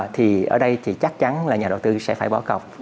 thì ở đây thì chắc chắn là nhà đầu tư sẽ phải bỏ cọc